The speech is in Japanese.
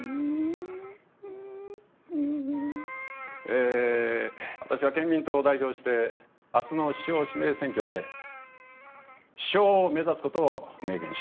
「え私は憲民党を代表して」明日の首相指名選挙で首相を目指す事を明言します。